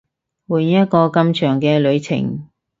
換一個咁長嘅旅程